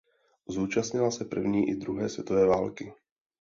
Zúčastnila se první i druhé světové války.